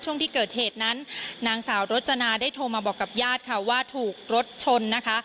ช่วงที่เกิดเหตุนั้นนางสาวรจนาได้โทรมาบอกกับญาติค่ะว่าถูกรถชนนะคะ